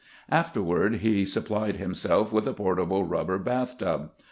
Afterward he supplied himself with a portable rubber bath tub.